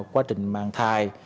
quá trình mang thai